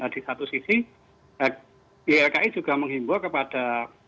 di satu sisi ylki juga menghimbau kepada